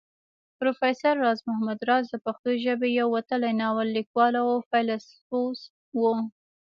پروفېسر راز محمد راز د پښتو ژبې يو وتلی ناول ليکوال او فيلسوف وو